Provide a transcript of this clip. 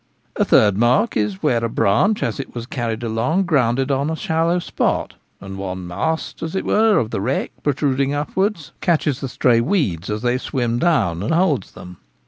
A third mark is where a branch, as it was carried along, grounded on a shallow spot ; and one mast, as it were, of the wreck protruding upwards, catches the stray weeds as they swim down and holds them.